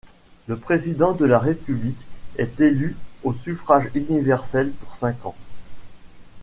Le président de la République est élu au suffrage universel pour cinq ans.